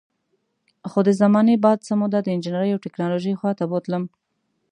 خو د زمانې باد څه موده د انجینرۍ او ټیکنالوژۍ خوا ته بوتلم